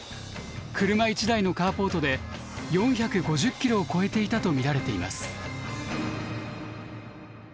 車一台のカーポートで４５０ｋｇを超えていたと見られています。